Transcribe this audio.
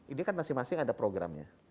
ini kan masing masing ada programnya